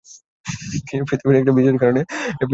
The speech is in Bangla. এই পৃথিবীটা একটা বিশেষ কারণে বাছা হয়েছে।